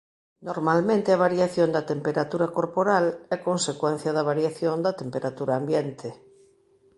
Normalmente a variación da temperatura corporal é consecuencia da variación da temperatura ambiente.